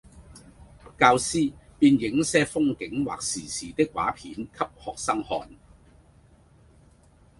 教師便映些風景或時事的畫片給學生看